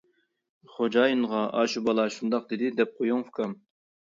خوجايىنغا ئاشۇ بالا شۇنداق دېدى دەپ قويۇڭ ئۇكام!